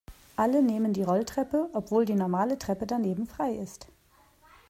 Alle nehmen die Rolltreppe, obwohl die normale Treppe daneben frei ist.